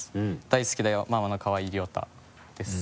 「大好きだよママの可愛い亮太。」です。